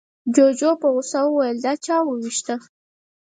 جوجو په غوسه وويل، دا چا ووېشته؟